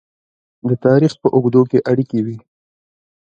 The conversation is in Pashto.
د تاریخ په اوږدو کې اړیکې وې.